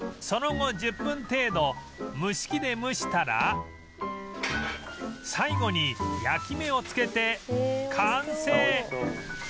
その後１０分程度蒸し器で蒸したら最後に焼き目をつけて完成！